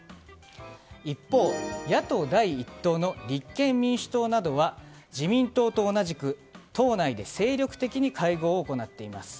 一方、野党第１党の立憲民主党などは自民党と同じく党内で精力的に会合を行っています。